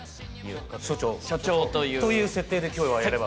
という設定で今日はやれば。